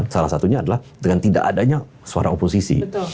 salah satunya adalah dengan tidak adanya suara oposisi